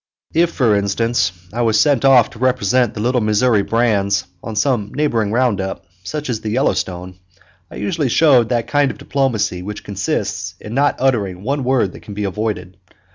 If, for instance, I was sent off to represent the Little Missouri brands on some neighboring round up, such as the Yellowstone, I usually showed that kind of diplomacy which consists in not uttering one word that can be avoided.